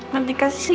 nanti kasih ya